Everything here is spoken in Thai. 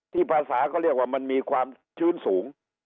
ภาษาก็เรียกว่ามันมีความชื้นสูง